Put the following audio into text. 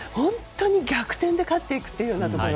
逆転で勝っていくというところ。